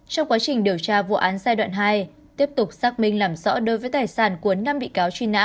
trong quá trình điều tra vụ án giai đoạn hai tiếp tục xác minh làm rõ đối với tài sản của năm bị cáo truy nã